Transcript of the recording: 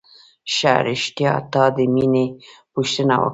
ښه رښتيا تا د مينې پوښتنه وکړه.